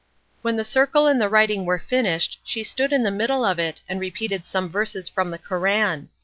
When the circle and the writing were finished she stood in the middle of it and repeated some verses from the Koran.